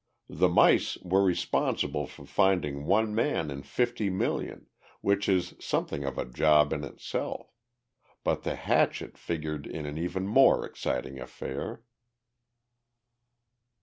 The mice were responsible for finding one man in fifty million which is something of a job in itself but the hatchet figured in an even more exciting affair...."